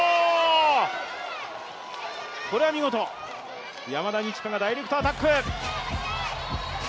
これは見事、山田二千華がダイレクトアタック。